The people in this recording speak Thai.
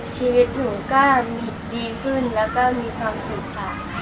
ชีวิตหนูก็ดีขึ้นแล้วก็มีความสุขค่ะ